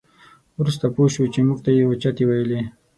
وروسته پوه شوو چې موږ ته یې اوچتې ویلې.